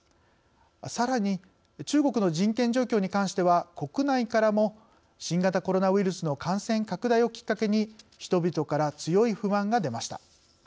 さらに中国の人権状況に関しては国内からも新型コロナウイルスの感染拡大をきっかけに人々から強い不満が出ました。